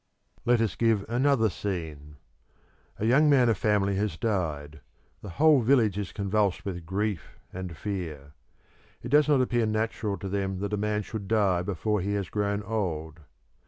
Let us give another scene. A young man of family has died; the whole village is convulsed with grief and fear. It does not appear natural to them that a man should die before he has grown old.